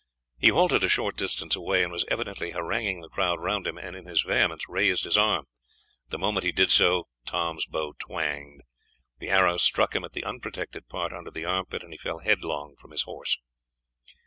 He halted a short distance away and was evidently haranguing the crowd round him, and in his vehemence raised his arm. The moment he did so Tom's bow twanged. The arrow struck him at the unprotected part under the arm pit, and he fell headlong from his horse.